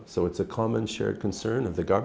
bởi vì họ chỉ có thể ra ngoài